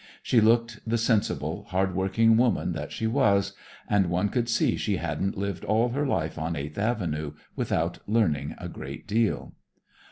She looked the sensible, hard working woman that she was, and one could see she hadn't lived all her life on Eighth Avenue without learning a great deal.